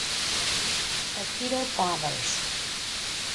Torpedo bombers.